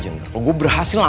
mama punya rencana